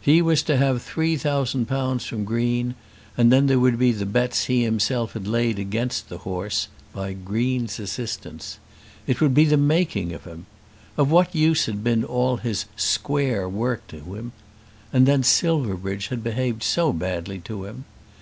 He was to have three thousand pounds from Green, and then there would be the bets he himself had laid against the horse, by Green's assistance! It would be the making of him. Of what use had been all his "square" work to him? And then Silverbridge had behaved so badly to him!